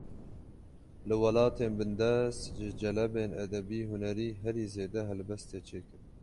Li welatên bindest, ji celebên edebî-hunerî herî zêde helbest tê çêkirin